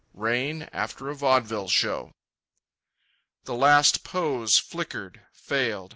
Rain after a Vaudeville Show The last pose flickered, failed.